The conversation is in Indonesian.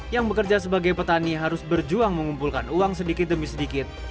yang bekerja sebagai petani harus berjuang mengumpulkan uang sedikit demi sedikit